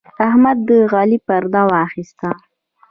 احمد د علي پرده واخيسته.